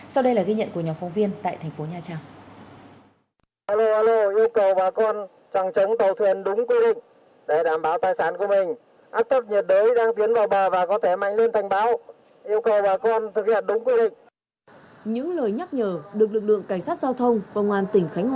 sau đây là ghi nhận của nhóm phóng viên tại thành phố nha trang